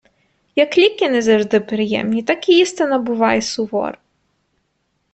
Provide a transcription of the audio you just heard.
Як ліки не завжди приємні, так і істина буває сувора.